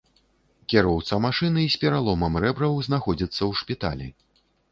Кіроўца машыны з пераломам рэбраў знаходзіцца ў шпіталі.